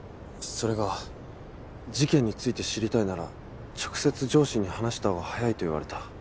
それが事件について知りたいなら直接上司に話した方が早いと言われた。